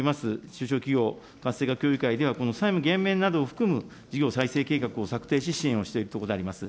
中小企業活性化協議会では、この債務減免などを含む事業再生計画を策定し、支援をしているところであります。